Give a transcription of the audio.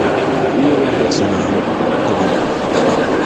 N nyala Hasana amaa m bi nya Halima.